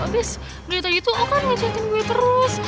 abis dari tadi tuh okan ngeceritain gue terus